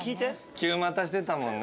９股してたもんね。